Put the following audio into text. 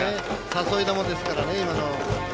誘い球ですからね。